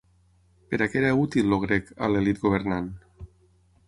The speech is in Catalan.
Per a què era útil el grec a l'elit governant?